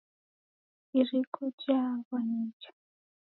Iriko jaaghwa nicha.